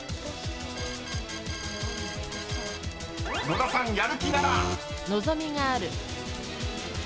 ［野田さん「やる気なら」］